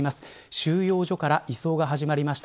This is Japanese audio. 収容所から移送が始まりました。